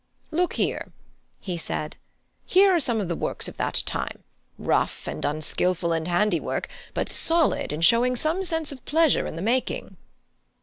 Look here," he said, "here are some of the works of that time rough and unskilful in handiwork, but solid and showing some sense of pleasure in the making."